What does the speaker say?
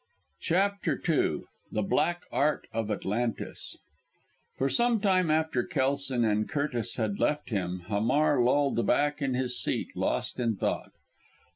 CHAPTER II THE BLACK ART OF ATLANTIS For some time after Kelson and Curtis had left him, Hamar lolled back in his seat, lost in thought.